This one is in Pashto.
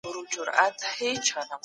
هر انسان د خپل برخلیک مسؤل دی.